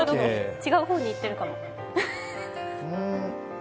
違う方にいってるかも。